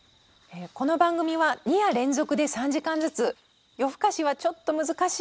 この番組は２夜連続で３時間ずつ夜更かしはちょっと難しいという方も多いと思います。